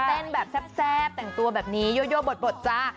เต้นแบบแซ่บแต่งตัวแบบนี้ยั่วบดจ้า